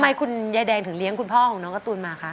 คุณยายแดงถึงเลี้ยงคุณพ่อของน้องการ์ตูนมาคะ